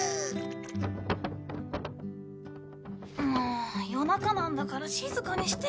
んもう夜中なんだから静かにしてよ。